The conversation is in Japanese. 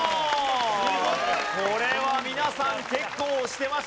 これは皆さん結構押してました。